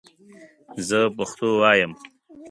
زه پښتو وایم